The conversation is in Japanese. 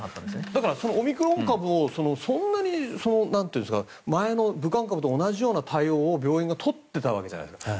だからそのオミクロン株をそんなに前の武漢株と同じような対応を病院が取ってたわけじゃないですか。